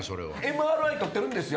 ＭＲＩ撮ってるんですよ